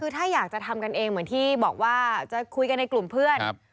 คือถ้าอยากจะทำกันเองเหมือนที่บอกว่าจะคุยกันในกลุ่มเพื่อน